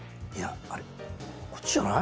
こっちじゃない？